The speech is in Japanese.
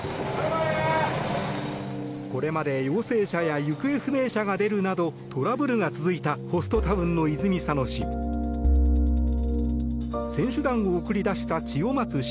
これまで陽性者や行方不明者が出るなどトラブルが続いたホストタウンの泉佐野市。